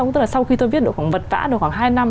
tức là sau khi tôi viết được vật vã được khoảng hai năm